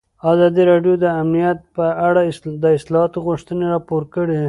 ازادي راډیو د امنیت په اړه د اصلاحاتو غوښتنې راپور کړې.